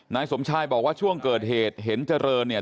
นายสมชายบอกว่าช่วงเกิดเหตุเห็นเจริญเนี่ย